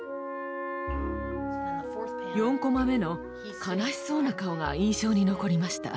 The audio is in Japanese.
４コマ目の悲しそうな顔が印象に残りました。